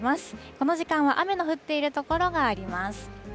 この時間は雨の降っている所があります。